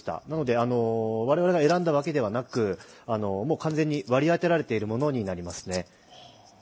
なので我々が選んだわけではなく完全に割り当てられているものになります。